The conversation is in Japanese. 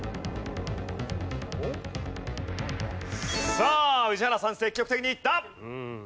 さあ宇治原さん積極的にいった。